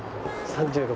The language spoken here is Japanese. ３６。